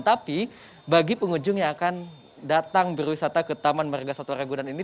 tapi bagi pengunjung yang akan datang berwisata ke taman warga suat raya ragunan ini